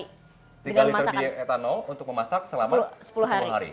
tiga liter bioetanol untuk memasak selama sepuluh hari